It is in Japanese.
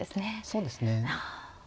そうですね。